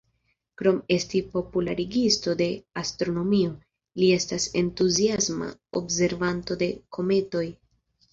Krom esti popularigisto de astronomio, li estas entuziasma observanto de kometoj.